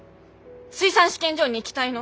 水産試験場に行きたいの！